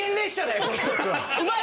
うまい！